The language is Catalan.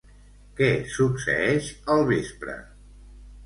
Què succeeix al vespre?